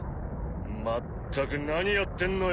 まったく何やってんのよ？